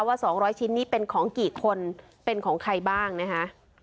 ว่าสองร้อยชิ้นนี้เป็นของกี่คนเป็นของใครบ้างนะคะ